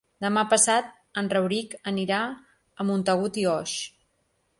Demà passat en Rauric anirà a Montagut i Oix.